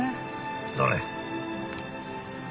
どれ？